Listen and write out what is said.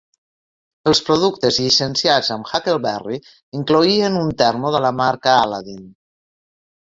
Els productes llicenciats amb "Huckleberry" incloïen un termo de la marca Aladdin.